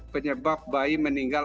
penyebab bayi meninggal